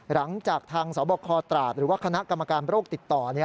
หลังจากทางสบคตราดหรือว่าคณะกรรมการโรคติดต่อ